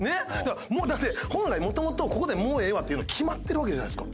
もうだって本来元々ここで「もうええわ」って言うの決まってるわけじゃないですか。